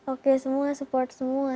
oke semua support semua